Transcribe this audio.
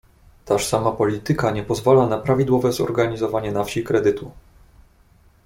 "Taż sama polityka nie pozwala na prawidłowe zorganizowanie na wsi kredytu."